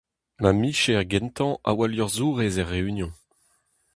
Ma micher gentañ a oa liorzhourez er Reünion.